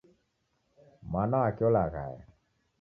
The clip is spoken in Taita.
Mwana wake olaghaya